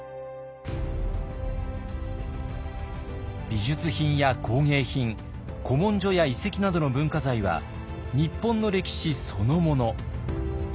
美術品や工芸品古文書や遺跡などの文化財は日本の歴史そのもの。